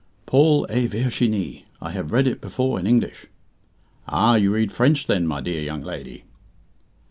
"'Paul et Virginie'. I have read it before in English." "Ah, you read French, then, my dear young lady?"